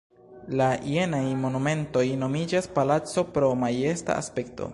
La jenaj monumentoj nomiĝas "palaco" pro majesta aspekto.